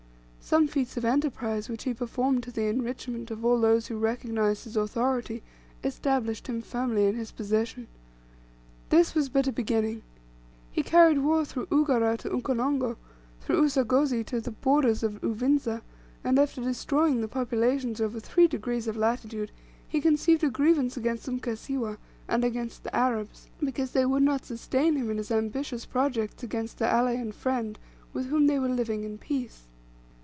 Some feats of enterprise, which he performed to the enrichment of all those who recognised his authority, established him firmly in his position. This was but a beginning; he carried war through Ugara to Ukonongo, through Usagozi to the borders of Uvinza, and after destroying the populations over three degrees of latitude, he conceived a grievance against Mkasiwa, and against the Arabs, because they would not sustain him in his ambitious projects against their ally and friend, with whom they were living in peace.